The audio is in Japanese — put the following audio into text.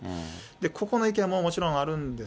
ここの意見ももちろんあるんです。